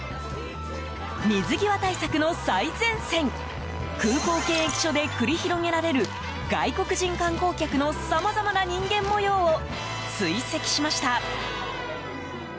水際対策の最前線空港検疫所で繰り広げられる外国人観光客のさまざまな人間模様を追跡しました。